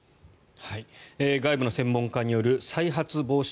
外部の専門家による再発防止